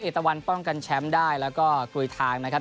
ตะวันป้องกันแชมป์ได้แล้วก็กลุยทางนะครับ